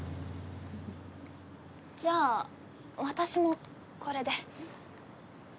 じゃあ私もこれで。